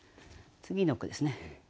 次の句ですね。